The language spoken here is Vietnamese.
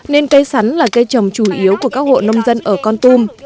nên cây sắn là cây trồng chủ yếu của các hộ nông dân ở con tum